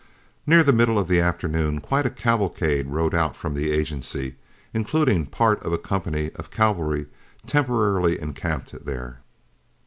Near the middle of the afternoon quite a cavalcade rode out from the agency, including part of a company of cavalry temporarily encamped there.